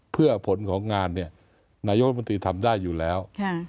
เพื่อผลของงานนายกรัฐมนตรีทำได้อยู่แล้ว